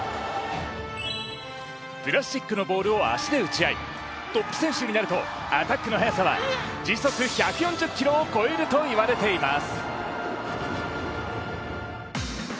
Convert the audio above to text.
プラスチックのボールを足で打ち合いトップ選手になるとアタックの速さは時速１４０キロを超えるといわれています。